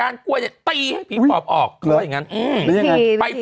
นี่นี่นี่นี่นี่